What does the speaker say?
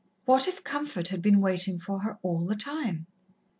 What if comfort had been waiting for her all the time?